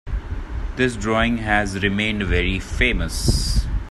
This drawing has remained very famous.